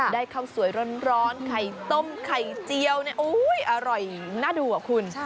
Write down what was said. ข้าวสวยร้อนไข่ต้มไข่เจียวอร่อยน่าดูอะคุณ